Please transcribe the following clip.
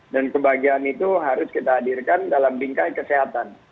dan kebahagiaan itu harus kita hadirkan dalam bingkai kesehatan